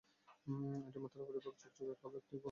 এটি মাথার উপরিভাগ চকচকে কালো এবং একটি গলা ও বুক সাদা বর্ণের।